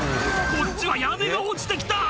こっちは屋根が落ちて来た！